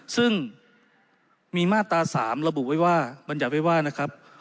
ซึ่งมีมาตรา๓ระบุไว้ว่าบรรยัติไว้ว่านะครับ